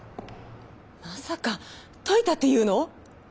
まさかといたって言うの？